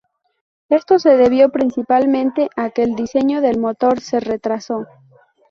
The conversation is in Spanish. Esto se debió principalmente a que el diseño del motor se retrasó.